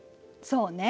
そうね。